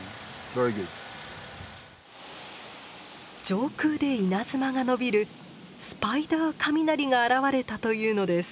上空で稲妻が伸びるスパイダー雷が現れたというのです。